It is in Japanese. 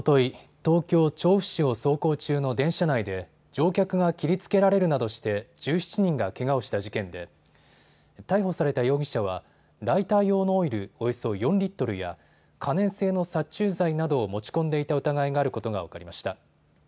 東京調布市を走行中の電車内で乗客が切りつけられるなどして１７人がけがをした事件で逮捕された容疑者はライター用のオイル、およそ４リットルや可燃性の殺虫剤などを持ち込んでいた疑いがあることが分かりました。